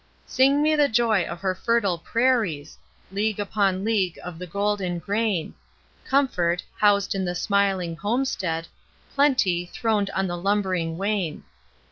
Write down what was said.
Sing me the joy of her fertile prairies, League upon league of the golden grain: Comfort, housed in the smiling homestead Plenty, throned on the lumbering wain.